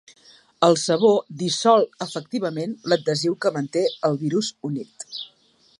El sabó ‘dissol’ efectivament l’adhesiu que manté el virus unit.